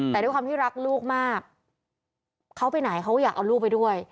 แต่ด้วยความที่รักลูกมากเขาไปไหนเขาอยากเอาลูกไปด้วย